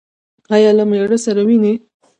ایا له میړه سره وینئ؟